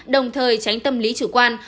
đồng thời tránh tâm lý chủ quan